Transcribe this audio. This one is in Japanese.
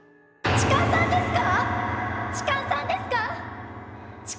痴漢さんですか？